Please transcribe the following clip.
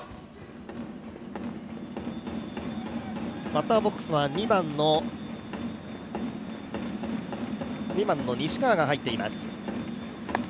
バッターボックスは２番の西川が入っています。